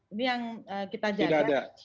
ini yang kita jaga tidak ada